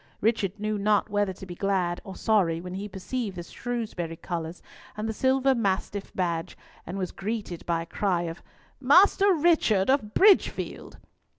Richard knew not whether to be glad or sorry when he perceived the Shrewsbury colours and the silver mastiff badge, and was greeted by a cry of "Master Richard of Bridgefield!"